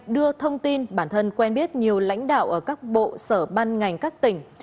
đưa thông tin bản thân quen biết nhiều lãnh đạo ở các bộ sở ban ngành các tỉnh